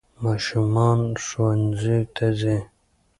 ماشومان ښوونځیو ته ځي.